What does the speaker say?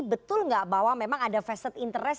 betul nggak bahwa memang ada facet interest